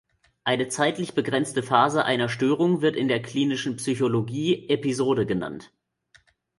Eine zeitlich begrenzte Phase einer Störung wird in der klinischen Psychologie "Episode" genannt.